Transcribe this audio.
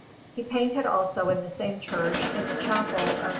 He painted also in the same church, in the Chapel of S.